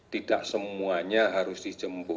tidak semuanya harus dijemput